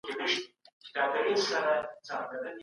د لږ تر لږه معاش تثبیت ضروري دی.